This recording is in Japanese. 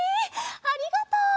ありがとう！